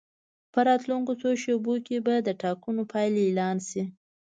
په راتلونکو څو شېبو کې به د ټاکنو پایلې اعلان شي.